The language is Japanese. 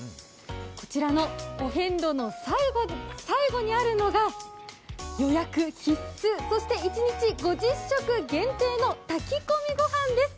こちらのお遍路の最後にあるのが予約必須、そして一日５０食限定の炊き込みご飯です。